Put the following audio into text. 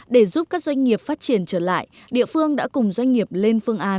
để giúp các doanh nghiệp phát triển trở lại địa phương đã cùng doanh nghiệp lên phương án